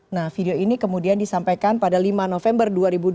nah video ini kemudian disampaikan pada lima november